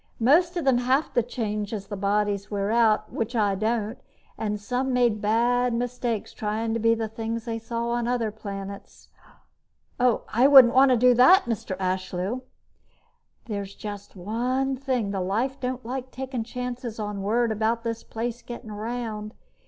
Most of them have to change as the bodies wear out, which I don't, and some made bad mistakes tryin' to be things they saw on other planets." "I wouldn't want to do that, Mr. Ashlew." "There's just one thing. The Life don't like taking chances on word about this place gettin' around.